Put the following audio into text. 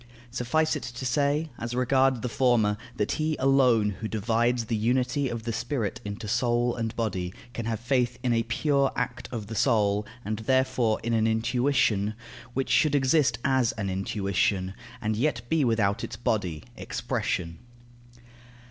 Suffice it to say, as regards the former, that he alone who divides the unity of the spirit into soul and body can have faith in a pure act of the soul, and therefore in an intuition, which should exist as an intuition, and yet be without its body, expression.